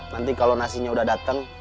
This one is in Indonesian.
nanti kalau nasinya udah dateng